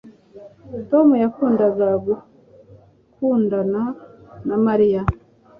Tom yakundaga gukundana na Mariya